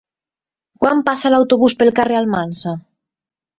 Quan passa l'autobús pel carrer Almansa?